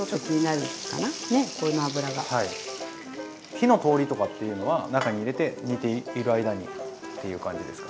火の通りとかっていうのは中に入れて煮ている間にっていう感じですか？